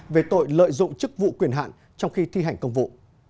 về tội lợi dụng chức vụ quyền hạn trong khi thi hành công vụ